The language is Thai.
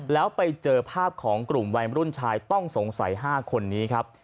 แล้วไปเจอภาพของกลุ่มวัยรุ่นชายต้องสงสัย๕คนนี้ครับ